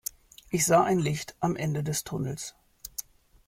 Ich sah ein Licht am Ende des Tunnels.